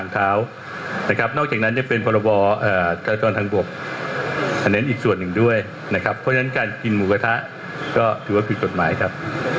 ถือว่าผิดกฎหมายครับ